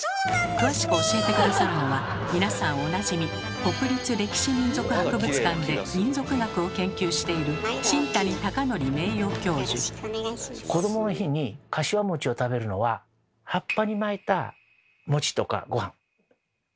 詳しく教えて下さるのは皆さんおなじみ国立歴史民俗博物館で民俗学を研究しているこどもの日にかしわを食べるのは葉っぱに巻いたとか御飯を食べる食文化。